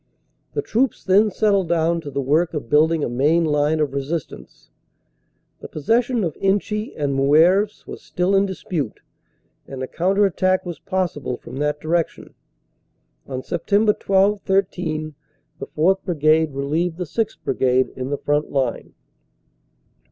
The troops then settled down to the work of building a main line of resistance. The possession of Inchy and Moeuvres was still in dispute and a counter attack was possible from that direction. On Sept. 12 13 the 4th. Brigade relieved the 6th. Brigade in the front line.